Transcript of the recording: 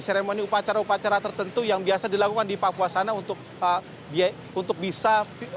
seremoni upacara upacara tertentu yang biasa dilakukan di papua sana untuk bisa